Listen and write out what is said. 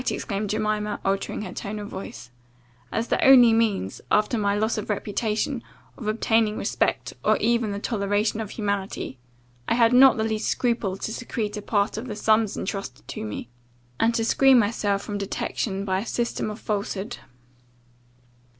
exclaimed Jemima, altering her tone of voice) "as the only means, after my loss of reputation, of obtaining respect, or even the toleration of humanity, I had not the least scruple to secrete a part of the sums intrusted to me, and to screen myself from detection by a system of falshood.